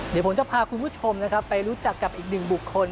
เดี๋ยวผมจะพาคุณผู้ชมนะครับไปรู้จักกับอีกหนึ่งบุคคล